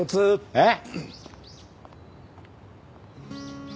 えっ？